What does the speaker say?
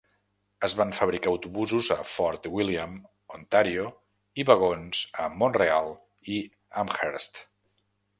Es van fabricar autobusos a Fort William, Ontario i vagons a Mont-real i Amherst.